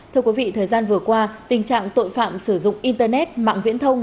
thưa quý vị thời gian vừa qua tình trạng tội phạm sử dụng internet mạng viễn thông